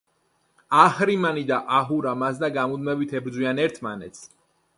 აჰრიმანი და აჰურა მაზდა გამუდმებით ებრძვიან ერთმანეთს.